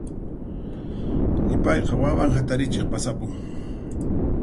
Ipayqa wawan hatarichiq pasapun.